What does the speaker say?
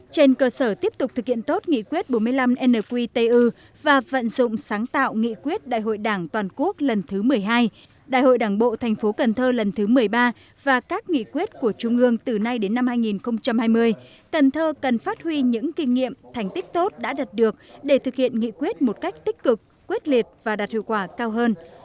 trên cơ sở tiếp tục thực hiện tốt nghị quyết bốn mươi năm nqtu và vận dụng sáng tạo nghị quyết đại hội đảng toàn quốc lần thứ một mươi hai đại hội đảng bộ thành phố cần thơ lần thứ một mươi ba và các nghị quyết của trung ương từ nay đến năm hai nghìn hai mươi cần thơ cần phát huy những kinh nghiệm thành tích tốt đã đạt được để thực hiện nghị quyết một cách tích cực quyết liệt và đạt hiệu quả cao hơn